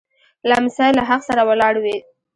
لمسی له حق سره ولاړ وي.